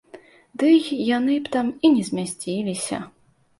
Ды й яны б там і не змясціліся.